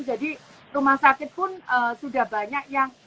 jadi rumah sakit pun sudah banyak yang